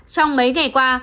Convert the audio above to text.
trong mấy ngày qua